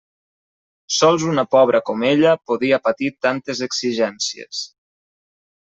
Sols una pobra com ella podia patir tantes exigències.